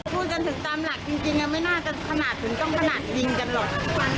พูดกันถึงตามหลักจริงไม่น่าจะขนาดถึงต้องขนาดยิงกันหรอก